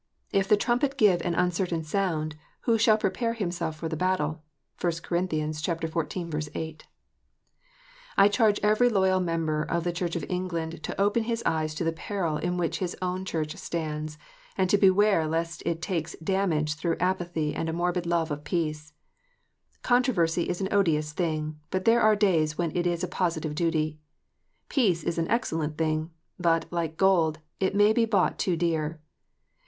" If the trumpet give an uncertain sound, who shall prepare himself for the battle?" (1 Cor. xiv. 8.) I charge every loyal member of the Church of England to open his eyes to the peril in which his own Church stands, and to beware lest it takes damage through apathy and a morbid love of peace. Controversy is an odious thing ; but there are days when it is a positive duty. Peace is an excellent thing ; but, like gold, it may be bought too dear.